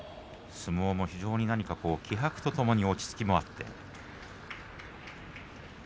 相撲も気迫とともに落ち着きもあります。